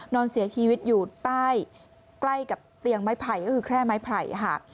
นอนเสียชีวิตอยู่ใต้ใกล้กับเตียงไม้ไผ่ก็คือแค่ไม้ไผ่ค่ะ